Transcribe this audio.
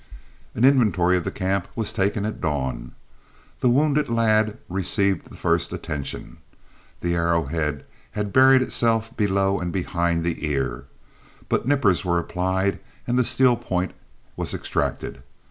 An inventory of the camp was taken at dawn. The wounded lad received the first attention. The arrowhead had buried itself below and behind the ear, but nippers were applied and the steel point was extracted.